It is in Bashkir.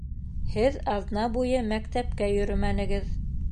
Һеҙ аҙна буйы мәктәпкә йөрөмәнегеҙ